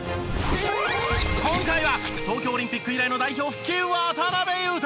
今回は東京オリンピック以来の代表復帰渡邊雄太。